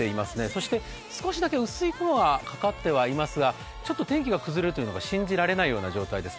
そして少しだけ薄い雲がかかってはいますが、ちょっと天気が崩れるというのが信じられない状況です。